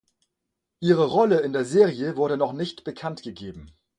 Ihre Rolle in der Serie wurde noch nicht bekanntgegeben.